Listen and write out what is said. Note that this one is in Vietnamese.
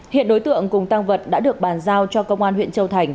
hiện đối tượng cùng tăng vật đã được bàn giao cho công an huyện châu thành